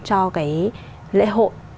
cho cái lễ hội